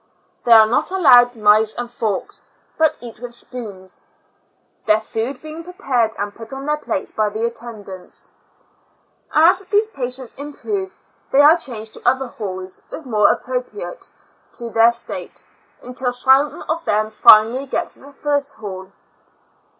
They are not allowed knives and forks, but IjV a L una tic Asylum, 93 eat with spoons; their food being prepared and put on their plates by the attendants. As these patients improve, they are changed to other halls more appropriate to their state, until some of them finally get to the first hall.